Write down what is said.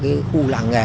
cái khu làng nghề